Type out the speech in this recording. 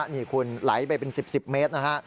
นี่คุณไหลไปเป็น๑๐๑๐เมตรนะฮะ